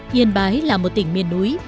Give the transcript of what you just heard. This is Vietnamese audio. yên bái là một tỉnh miền núi